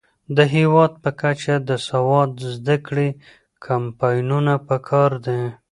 د هیواد په کچه د سواد زده کړې کمپاینونه پکار دي.